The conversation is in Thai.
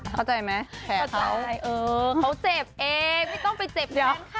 เข้าใจไหมแขกเขาเขาเจ็บเองไม่ต้องไปเจ็บแขนเขา